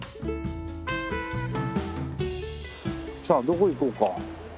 さあどこ行こうか？